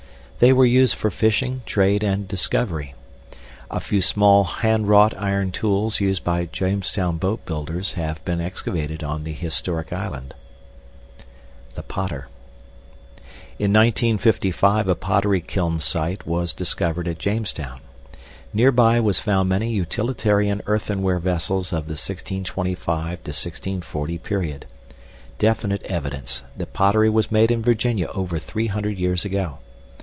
They were used for fishing, trade, and discovery. A few small handwrought iron tools used by Jamestown boatbuilders have been excavated on the historic island. THE POTTER In 1955 a pottery kiln site was discovered at Jamestown. Nearby were found many utilitarian earthenware vessels of the 1625 40 period definite evidence that pottery was made in Virginia over 300 years ago.